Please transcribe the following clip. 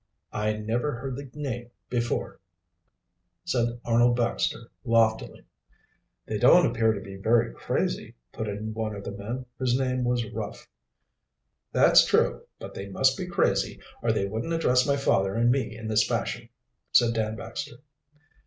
"I never heard the name before," said Arnold Baxter loftily. "They don't appear to be very crazy," put in one of the men, whose name was Ruff. "That's true, but they must be crazy or they wouldn't address my father and me in this fashion," said Dan Baxter.